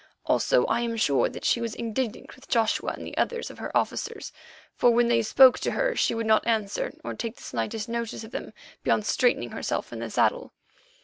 Also I am sure that she was indignant with Joshua and others of her officers, for when they spoke to her she would not answer or take the slightest notice of them beyond straightening herself in the saddle.